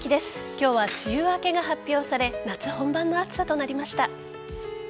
今日は梅雨明けが発表され夏本番の暑さとなりました。